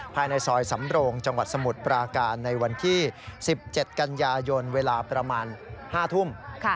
ภายในซอยสำโรงจังหวัดสมุทรปราการในวันที่๑๗กันยายนเวลาประมาณ๕ทุ่ม